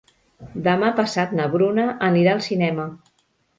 Demà passat na Bruna anirà al cinema.